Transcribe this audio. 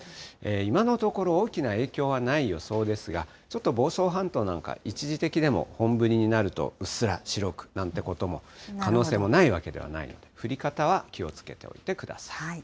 今のところ、大きな影響はない予想ですが、ちょっと房総半島なんか、一時的でも本降りになるとうっすら白くなんてことも、可能性もないわけではないので、降り方は気をつけておいてください。